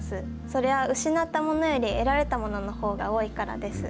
それは失ったものより、得られたもののほうが多いからです。